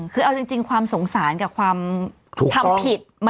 คือเอาจริงความสงสารกับความทำผิด